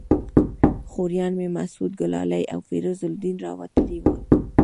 خوریان مې مسعود ګلالي او فیروز الدین راوتلي ول.